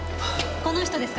この人ですか？